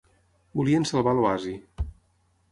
Volien salvar l'oasi.